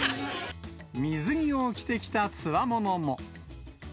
水着を着てきたつわものも。